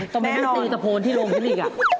ต้องไปตีประโ์นที่ลงชนิก